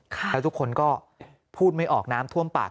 แล้วทุกคนก็พูดไม่ออกน้ำท่วมปาก